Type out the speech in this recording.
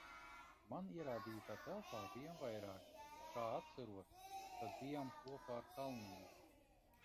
Man ierādītā telpā bijām vairāki, kā atceros, tad bijām kopā ar Kalniņu.